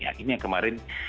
ini yang kemarin